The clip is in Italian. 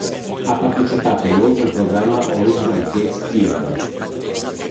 Ha partecipato inoltre al programma "Original Kids Theatre".